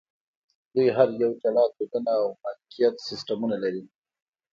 دوی هر یو جلا دودونه او مالکیت سیستمونه لري.